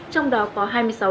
trong đó có hai hành khách